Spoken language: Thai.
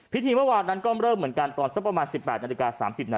พิธีเมื่อวานก็เริ่มเหมือนกันตอนสักประมาณ๑๘๓๐น